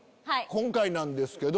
今回なんですけど。